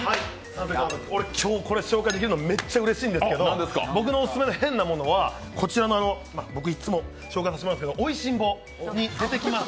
俺、今日これ紹介できるのはめっちゃうれしいんですけど僕のオススメの変なものは、僕、いつも紹介させてもらっている「美味しんぼ」に出てきます